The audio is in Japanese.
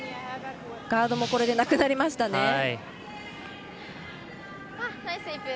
ガードもこれでなくなりましたね。